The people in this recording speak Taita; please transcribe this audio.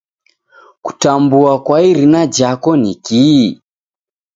Kutambua kwa irina jako nikii?